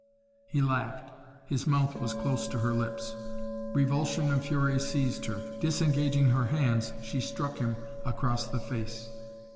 He laughed. His mouth was close to her lips. Revulsion and fury seized her. Disengaging her hands she struck him across the face.